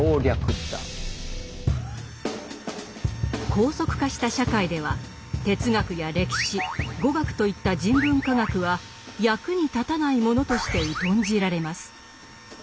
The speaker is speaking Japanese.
高速化した社会では哲学や歴史語学といった人文科学は役に立たないものとして疎んじられます。